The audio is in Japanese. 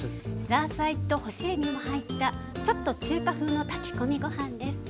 ザーサイと干しえびの入ったちょっと中華風の炊き込みご飯です。